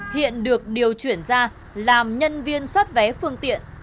hiện được điều chuyển ra làm nhân viên xoát vé phương tiện